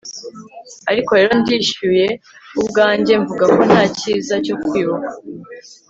ariko rero ndishuye ubwanjye mvuga ko nta cyiza cyo kwibuka